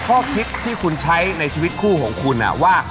ข้อคิดที่คุณใช้ในชีวิตคู่ของคุณว่า